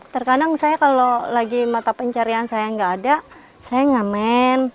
terkadang saya kalau lagi mata pencarian saya nggak ada saya ngamen